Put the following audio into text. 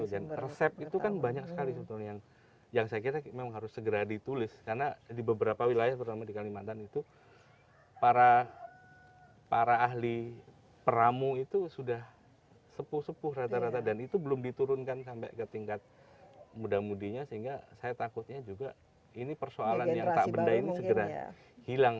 dan resep itu kan banyak sekali yang saya kira harus segera ditulis karena di beberapa wilayah terutama di kalimantan itu para ahli peramu itu sudah sepuh sepuh rata rata dan itu belum diturunkan sampai ke tingkat muda mudinya sehingga saya takutnya juga ini persoalan yang tak bendanya segera hilang